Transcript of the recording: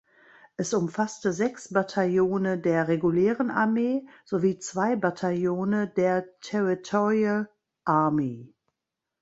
Es umfasste sechs Bataillone der regulären Armee sowie zwei Bataillone der Territorial Army.